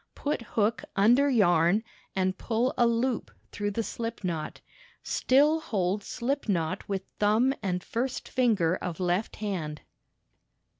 Put hook under yarn and pull a loop through the slip knot. Still hold slip knot with thumb and first fimger of left hand.